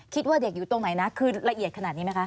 คิดว่าเด็กอยู่ตรงไหนนะคือละเอียดขนาดนี้ไหมคะ